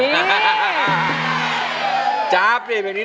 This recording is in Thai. ก็ผ่านมาโรงแรมโอ้โหแบบนี้